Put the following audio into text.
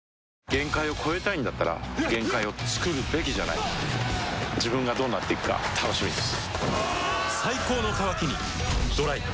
限界を越えたいんだったら限界をつくるべきじゃない自分がどうなっていくか楽しみです